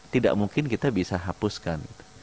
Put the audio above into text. tidak mungkin kita bisa hapuskan